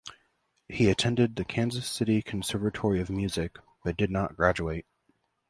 He attended the Kansas City Conservatory of Music, but did not graduate.